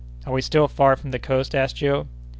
"Are we still far from the coast?" asked Joe.